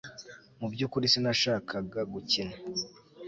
Mu byukuri sinashakaga gukina